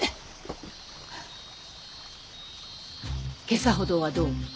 今朝ほどはどうも。